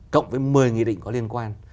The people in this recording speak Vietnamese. cộng với một mươi nghị định có liên quan